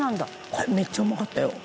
「これめっちゃうまかったよ」